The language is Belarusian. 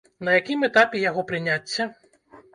На якім этапе яго прыняцце?